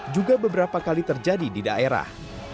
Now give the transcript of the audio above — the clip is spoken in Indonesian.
juga beberapa kali terjadi di daerah